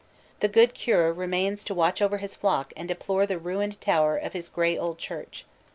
The good Cure remains to watch over his flock and deplore the ruined tower of his gray old church.